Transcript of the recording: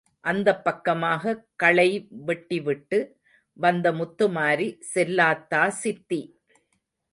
அந்தப் பக்கமாக களை வெட்டிவிட்டு வந்த முத்துமாரி, செல்லாத்தா சித்தி!